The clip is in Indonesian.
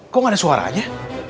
kok gak ada suaranya